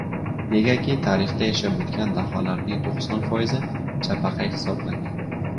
Negaki, tarixda yashab oʻtgan daholarning to‘qson foizi chapaqay hisoblangan.